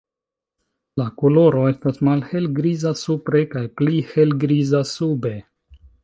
La koloro estas malhelgriza supre kaj pli helgriza sube.